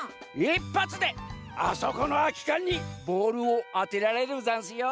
１ぱつであそこのあきかんにボールをあてられるざんすよ。